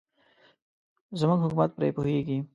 زموږ حکومت پرې پوهېږي.